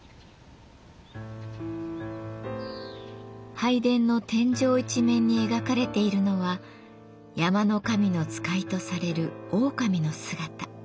拝殿の天井一面に描かれているのは山の神の使いとされるオオカミの姿。